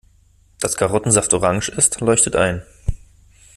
Dass Karottensaft orange ist, leuchtet ein.